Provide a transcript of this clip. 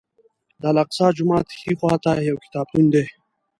د الاقصی جومات ښي خوا ته یو کتابتون دی.